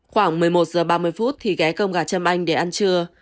khoảng một mươi một h ba mươi phút thì ghé cơm gà châm anh để ăn trưa